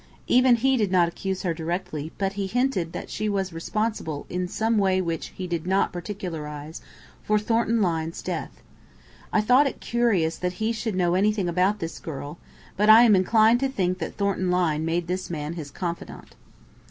Even he did not accuse her directly, but he hinted that she was responsible, in some way which he did not particularise, for Thornton Lyne's death. I thought it curious that he should know anything about this girl, but I am inclined to think that Thornton Lyne made this man his confidant."